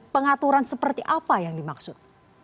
pengaturan seperti apa yang dimaksud